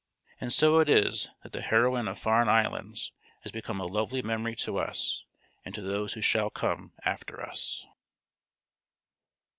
And so it is that the heroine of Farne Islands has become a lovely memory to us, and to those who shall come after us.